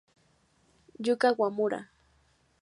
Yu Kawamura